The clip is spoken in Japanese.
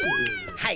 はい！